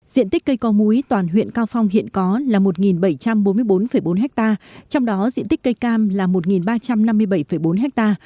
diện tích cây có múi toàn huyện cao phong hiện có là một bảy trăm bốn mươi bốn bốn ha trong đó diện tích cây cam là một ba trăm năm mươi bảy bốn ha